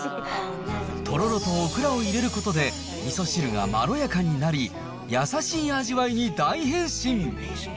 トロロとオクラを入れることで、みそ汁がまろやかになり、優しい味わいに大変身。